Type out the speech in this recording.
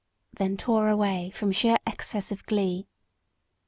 then tore away from sheer excess of glee.